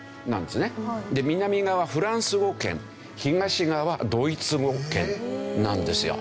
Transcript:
で南側はフランス語圏東側はドイツ語圏なんですよ。